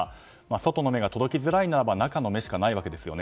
外の目が届きづらいのは中の目しかないわけですよね。